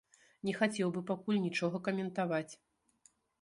Не хацеў бы пакуль нічога каментаваць.